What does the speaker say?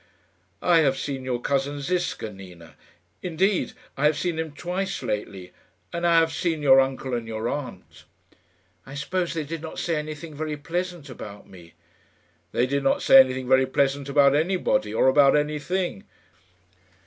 "I have seen your cousin Ziska, Nina; indeed, I have seen him twice lately; and I have seen your uncle and your aunt." "I suppose they did not say anything very pleasant about me." "They did not say anything very pleasant about anybody or about anything.